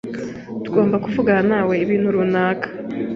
Tugomba kuvugana nawe kubintu runaka.